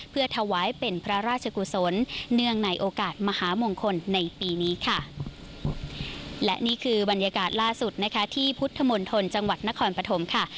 เพื่อถวายเป็นพระราชกุศลเนื่องในโอกาสมหามงคลในปีนี้ค่ะและนี่คือบรรยากาศล่าสุดนะคะที่พุทธมณฑลจังหวัดนครปฐมค่ะ